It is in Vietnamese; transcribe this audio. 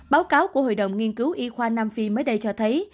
báo cáo của hội đồng nghiên cứu y khoa nam phi mới đây cho thấy